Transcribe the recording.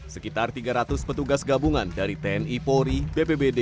sekitar tiga ratus petugas gabungan dari tni polri bbbd dan kabupaten karanganyar